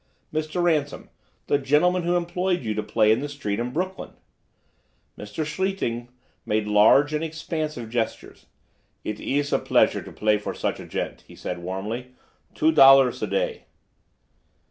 "Mr. Ransom, the gentleman who employed you to play in the street in Brooklyn." Mr. Schlichting made large and expansive gestures. "It iss a pleasure to play for such a gent," he said warmly. "Two dollars a day."